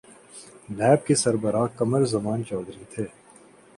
NAB کے سربراہ قمر زمان چوہدری تھے۔